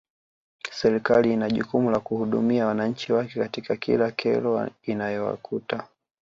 Serikali in jukumu la kuhudumia wananchi wake katika kila kero inayowakuta